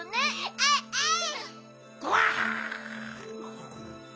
あいあい。